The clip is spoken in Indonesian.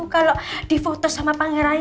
kalau difoto sama pangerannya